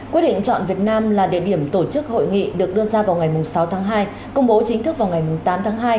quyết định chọn việt nam là địa điểm tổ chức hội nghị được đưa ra vào ngày sáu tháng hai công bố chính thức vào ngày tám tháng hai